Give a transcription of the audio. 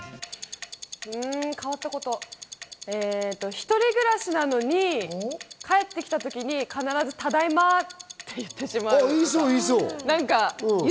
一人暮らしなのに帰ってきたときに必ず「ただいま」って言ってしまう。